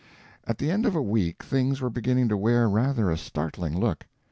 At the end of a week things were beginning to wear rather a startling look.